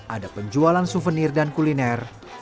ada penjualan souvenir dan kuliner